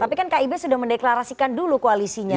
tapi kan kib sudah mendeklarasikan dulu koalisinya